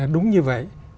đúng như vậy